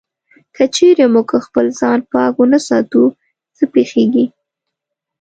که چېرې موږ خپل ځان پاک و نه ساتو، څه پېښيږي؟